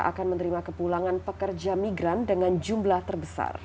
akan menerima kepulangan pekerja migran dengan jumlah terbesar